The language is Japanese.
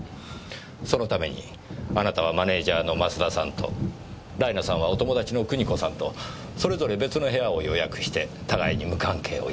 そのためにあなたはマネジャーの増田さんとライナさんはお友達の国子さんとそれぞれ別の部屋を予約して互いに無関係を装っていた。